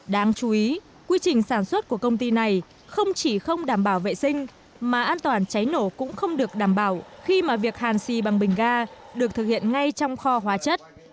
đáng chú ý quy trình sản xuất của công ty này không chỉ không đảm bảo vệ sinh mà an toàn cháy nổ cũng không được đảm bảo khi mà việc hàn xì bằng bình ga được thực hiện ngay trong kho hóa chất